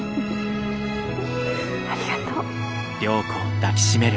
ありがとう。